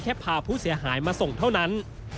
แค่พาผู้เสียหายมาส่งเท่านั้น